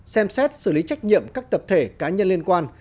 xem xét xử lý trách nhiệm các tập thể cá nhân liên quan